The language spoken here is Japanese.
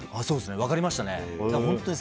そうですね、分かりましたね。